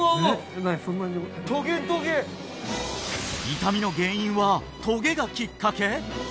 痛みの原因はトゲがきっかけ！？